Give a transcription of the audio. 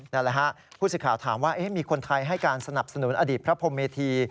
นั่นแหละฮะผู้สิทธิ์ข่าวถามว่ามีคนไทยให้การสนับสนุนอดีตพระพรมเมธี